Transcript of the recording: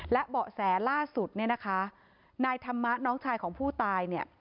และเบาะแสล่าสุดนายธรรมะน้องชายของผู้ตาย